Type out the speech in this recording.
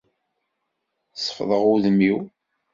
Sefḍeɣ udem-iw.